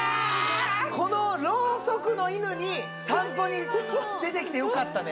このろうそくの犬に散歩に出てきてよかったね